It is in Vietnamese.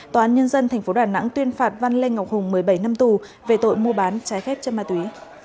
tòa án nhân dân tp đà nẵng tuyên phạt văn lê ngọc hùng một mươi bảy năm tù về tội mua bán trái phép chất ma túy